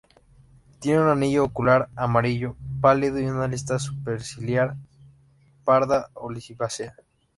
Tiene un anillo ocular amarillo pálido y una lista superciliar parda olivácea.